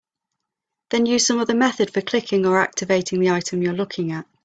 Then use some other method for clicking or "activating" the item you're looking at.